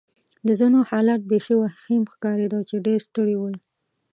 د ځینو حالت بېخي وخیم ښکارېده چې ډېر ستړي ول.